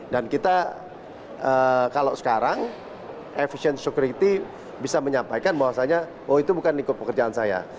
dan kita kalau sekarang aviation security bisa menyampaikan bahwasanya oh itu bukan ikut pekerjaan saya